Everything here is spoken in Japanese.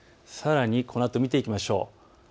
さらにこのあとを見ていきましょう。